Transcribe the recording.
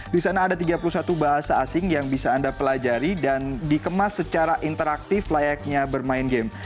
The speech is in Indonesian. di sana ada tiga puluh satu bahasa asing yang bisa anda pelajari dan dikemas secara interaktif layaknya bermain game